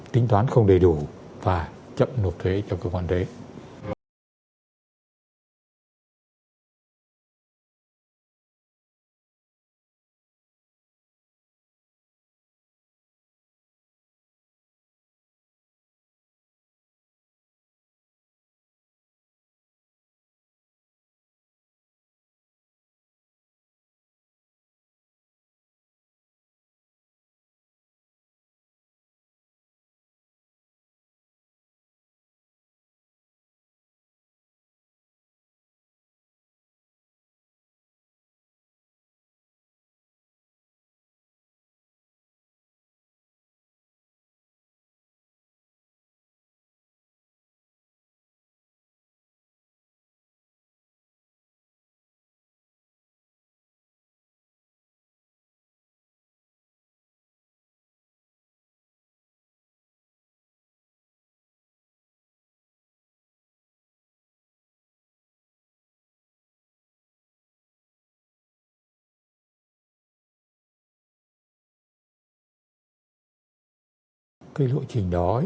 tính toán không đầy đủ và chậm nộp thuế cho cơ quan thuế